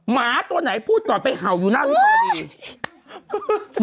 หมาตัวไหนพูดก่อนไปเห่าอยู่หน้าลูกตาดี